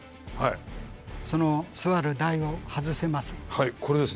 その座る台を外せます。